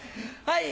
はい。